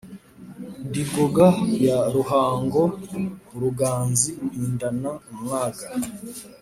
Ndi Ngoga ya Rugango, urugangazi mpindana umwaga.